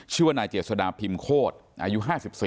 ชื่อว่านายเจษฎาพิมโฆษอายุ๕๔